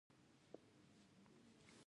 د احتراق عملیه څه ډول ده.